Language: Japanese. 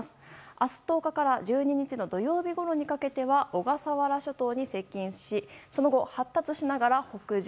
明日１０日から１２日の土曜日ごろにかけては小笠原諸島に接近しその後、発達しながら北上。